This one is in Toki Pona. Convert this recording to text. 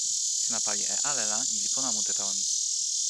sina pali e ale la ni li pona mute tawa mi.